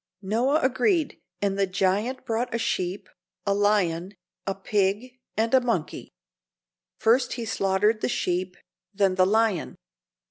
Noah agreed, and the giant brought a sheep, a lion, a pig and a monkey. First, he slaughtered the sheep, then the lion.